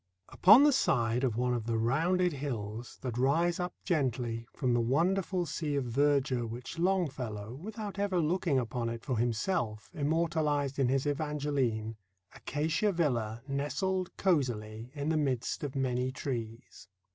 * Upon the side of one of the rounded hills that rise up gently from the wonderful sea of verdure which Longfellow, without ever looking upon it for himself, immortalized in his "Evangeline," Acacia Villa nestled cozily in the midst of many trees.